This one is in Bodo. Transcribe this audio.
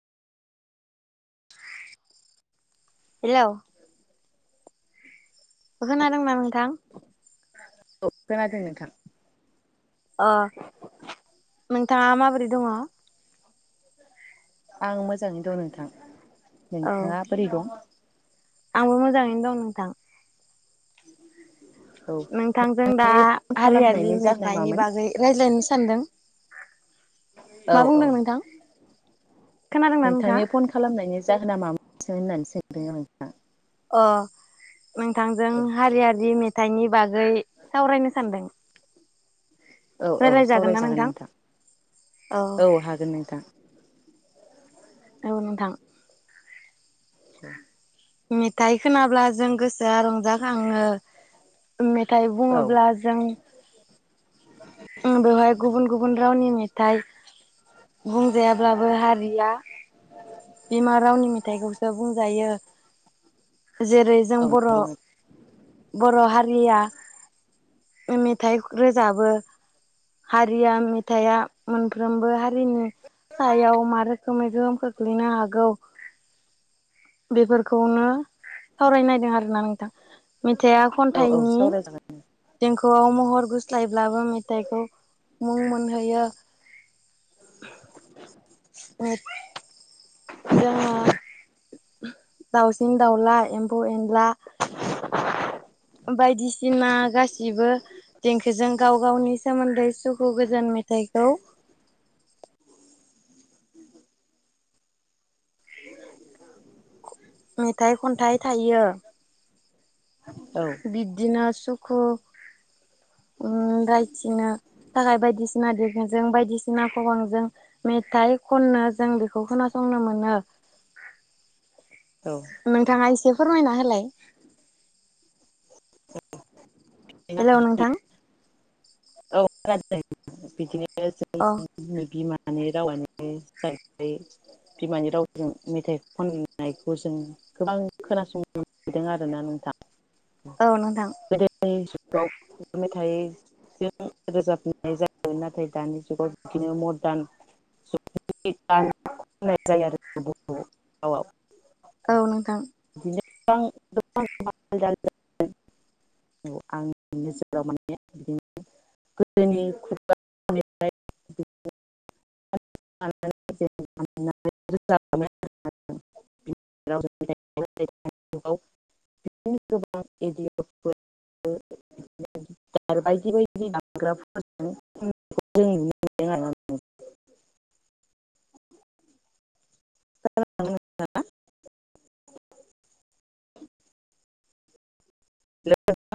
हेल खोनादोंना नोंथां औ खोनादों नोंथां अ नोंथाङा माबोरै दङ आं मोजाङैनो दङ नोंथां नोंथाङा बोरै दं आंबो मोजाङैनो दं नोंथां औ नोंथांजों बे दा फन हारियारि खालामनायनि जाहोना मेथाइनि मामोन बागै रायज्लायनो सानदों औ मा औ बुंदों नोंथां खोनादोंना नोंथाङा नोंथांनि फन खालामनायनि जाहोना मामोनन होननानै सोंदों आं अ नोंथांजों औ हारियारिे मेथाइनि बागै सावरायनो सानदों औ औ रायलायजागोन ना सावरायजागोन नोंथां औ हागोन नोंथां औ नोंथां औ मेथाइ खोनाब्ला जों गोसोआ रंजाखाङो मेथाइ औ बुङोब्ला जों ओम बेवहाय गुबुन गुबुन रावनि मेथाइ बुंजायाब्लाबो हारिया बिमा रावनि मेथाइखौसो बुंजायो जेरै जों औ बर नंगौ बर हारिया मेथाइ रोजाबो हारिया मेथाइआ मोनफ्रोमबो हारिनि सायााव मारख गोहोमै गोहोम खोख्लैनो हागौ बेफोरखौनो सावरायनायदों आरोना नोंथां मेथाइआ औ औ खन्थाइनि सावरायजागोन ओ महर गुस्लायबाबो मोनथायखौ मुं मोनहोयो जोङो दाउसिन दाउला एमफौ एनला ओमफाय बायदिसिना गासिबो देंखोजों गाव गावनि सोमोन्दै सुखु गोजोन मेथाइखौ मेथाइ खन्थाइ थायो। औ बिदिनास सुखु उम रायथिनो थाखाय बायदिसिना बिबुंजों बायदिसिना खबामजों मेथाइ खननो जों बेखौ खोनासंनो मोनो। औ नोंथाङा इस फोरमायना होलाय। हेलौ नोंथां। औ [unintelligible] अ [unintelligible] बिमानि रावानो उम बिमानि रावजों मेथाइ खननायखौ जों गोबां खोनासंनो नुदों आरोना नोंथां। औ नोंथां गोदोनि जुगाव मेथाइ जों रोजाबनाय जायो नाथाय दानि जुगाव बिदिनो मडारन जुग खनाय जायो आरो बर रावआव औ नोंथां। [unintelligible] गोदोनि खुगाफ्राय [unintelligible] [unintelligible] [unintelligible] [unintelligible]